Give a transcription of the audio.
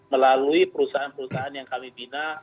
melalui perusahaan perusahaan yang kami bina